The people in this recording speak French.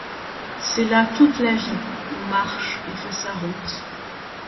C’est là toute la vie. On marche ; on fait sa route ;